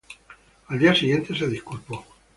Al día siguiente se disculpó.